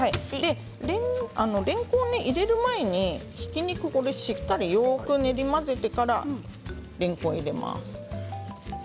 れんこん入れる前にひき肉、しっかりよく練り混ぜてかられんこん、入れます。